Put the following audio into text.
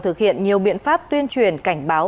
thực hiện nhiều biện pháp tuyên truyền cảnh báo